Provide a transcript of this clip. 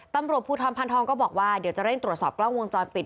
ตำรวจภูทรพันธองก็บอกว่าเดี๋ยวจะเร่งตรวจสอบกล้องวงจรปิด